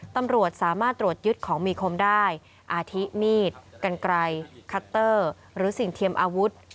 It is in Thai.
ตำรวจสามารถตรวจยึดของมีคมได้อาทิมีดกันไกลคัตเตอร์หรือสิ่งเทียมอาวุธ